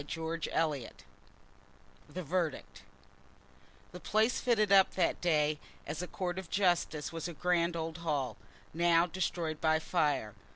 Chapter XLIII The Verdict The place fitted up that day as a court of justice was a grand old hall, now destroyed by fire.